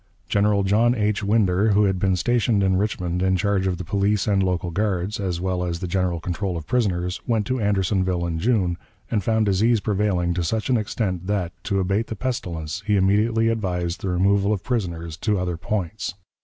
General John H. Winder, who had been stationed in Richmond in charge of the police and local guards, as well as the general control of prisoners, went to Andersonville in June, and found disease prevailing to such an extent that, to abate the pestilence, he immediately advised the removal of prisoners to other points.